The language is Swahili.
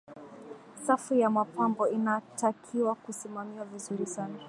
safu ya mapambo inatakiwa kusimamiwa vizuri sana